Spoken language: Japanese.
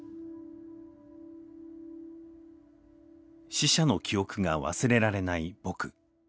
死者の記憶が忘れられない僕。